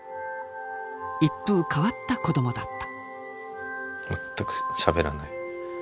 一風変わった子どもだった。